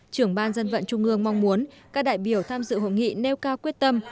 trưởng ban dân vận trung ương mong muốn các đại biểu tham dự hội nghị nêu cao quyết tâm